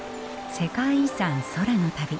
世界遺産空の旅。